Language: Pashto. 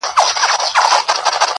نه تر ستوني یې سو کښته تېرولالی!!